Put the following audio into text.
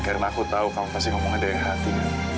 karena aku tahu kamu pasti ngomongnya dengan hati